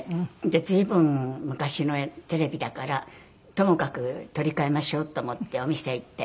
で随分昔のテレビだからともかく取り換えましょうと思ってお店へ行って。